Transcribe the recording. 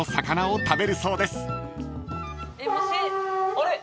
・あれ？